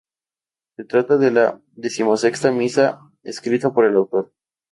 Se trata de la decimosexta misa escrita por el autor.